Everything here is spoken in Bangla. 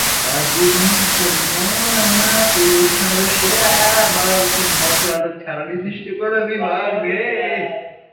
আজীবন সম্মাননা পুরস্কার এবং সেরা নতুন মার্কিন মঞ্চনাটক ছাড়া নির্দিষ্ট কোন বিভাগ নেই।